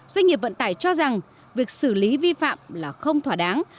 doanh nghiệp vận tải cho rằng việc xử lý vi phạm là không thỏa đáng